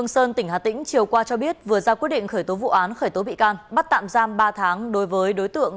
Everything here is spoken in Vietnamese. xin chào các bạn